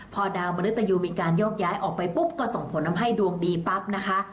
พอดาวมริตยูมีการโยกย้ายออกไปปุ๊บก็ส่งผลทำให้ดวงดีปั๊บนะคะ